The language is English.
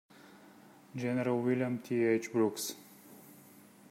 General William T. H. Brooks.